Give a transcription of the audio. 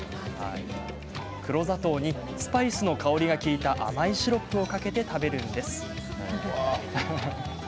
黒砂糖にスパイスの香りが利いた甘いシロップをかけて食べるんです。